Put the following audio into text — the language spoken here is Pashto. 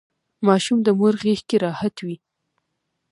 ماشوم د مور غیږکې راحت وي.